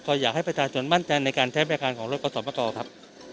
ก็อยากให้ประชาชนมั่นใจในการใช้บริการของรถกสมกรครับ